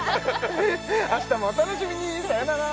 明日もお楽しみにさよなら